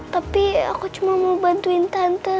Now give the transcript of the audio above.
tapi aku cuma mau bantuin tante